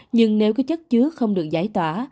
nhưng nếu có chất chứa không được giải tỏa